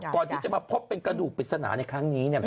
ก่อนที่จะมาพบเป็นกระดูกปริศนาในครั้งนี้